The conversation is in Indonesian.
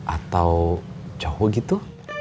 atau jauh gitu